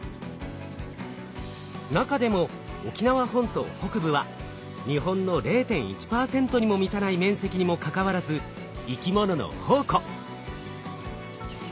中でも沖縄本島北部は日本の０．１％にも満たない面積にもかかわらず生き物の宝庫。